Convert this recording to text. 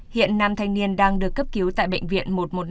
hiện nam thanh niên đang được cấp cứu tại bệnh viện một một năm